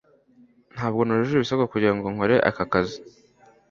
Ntabwo nujuje ibisabwa kugirango nkore aka kazi